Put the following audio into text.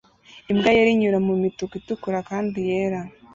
Imbwa yera inyura mumituku itukura kandi yera